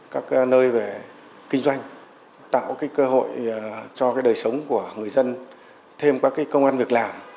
các nơi về kinh doanh tạo cơ hội cho đời sống của người dân thêm các công an việc làm